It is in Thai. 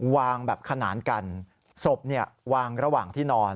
วางแบบขนานกันศพวางระหว่างที่นอน